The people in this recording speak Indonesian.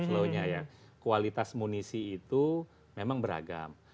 slow nya ya kualitas munisi itu memang beragam